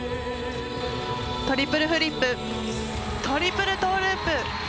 トリプルフリップ、トリプルトーループ。